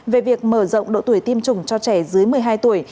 về việc mở rộng độ tuổi tiêm chủng cho trẻ dưới một mươi hai tuổi